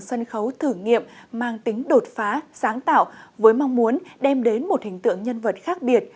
sân khấu thử nghiệm mang tính đột phá sáng tạo với mong muốn đem đến một hình tượng nhân vật khác biệt